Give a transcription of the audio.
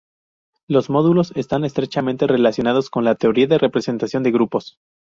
Los módulos están estrechamente relacionados con la teoría de representación de grupos.